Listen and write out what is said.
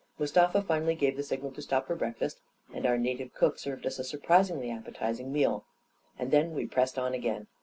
Mustafa finally gave the signal to stop for break fast, and our native cook served us a surprisingly ap petizing meal ; and then we pressed on again.